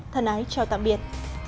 thân ái chào tạm biệt